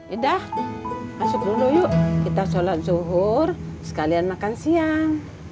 udah masuk dulu yuk kita sholat zuhur sekalian makan siang